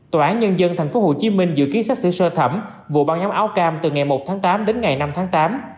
tòa án nhân dân tp hcm dự kiến xét xử sơ thẩm vụ băng nhóm áo cam từ ngày một tháng tám đến ngày năm tháng tám